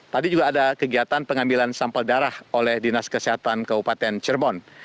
tadi juga ada kegiatan pengambilan sampel darah oleh dinas kesehatan kabupaten cirebon